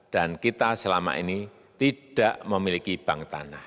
dan kita selama ini tidak memiliki bank tanah